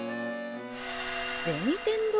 銭天堂？